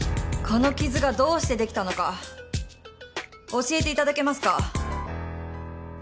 この傷がどうしてできたのか教えていただけますか？